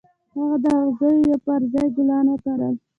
هغه د اغزيو پر ځای ګلان وکرل.